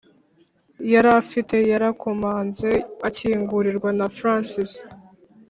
yarafite. yarakomanze akingurirwa na francis